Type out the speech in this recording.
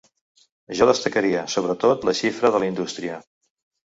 Jo destacaria, sobretot, la xifra de la indústria.